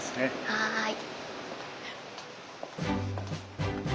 はい。